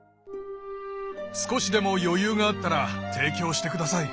少しでも余裕があったら提供してください。